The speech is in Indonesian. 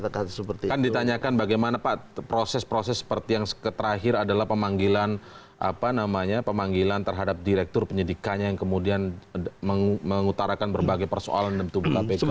kan ditanyakan bagaimana pak proses proses seperti yang terakhir adalah pemanggilan terhadap direktur penyidikannya yang kemudian mengutarakan berbagai persoalan dalam tubuh kpk